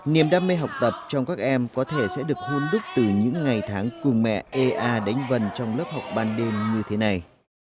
niềm đam mê học tập trong các em có thể sẽ được hôn đúc từ những ngày tháng cùng mẹ ê a đánh vần trong lớp học ban đêm như thế này